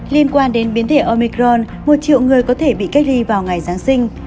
liên quan đến biến thể omicron một triệu người có thể bị cách ly vào ngày giáng sinh